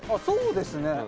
そうですね。